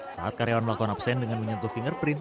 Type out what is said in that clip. saat karyawan melakukan absen dengan menyentuh fingerprint